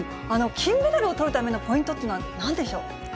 金メダルをとるためのポイントっていうのはなんでしょう？